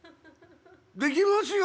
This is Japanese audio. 「できますよ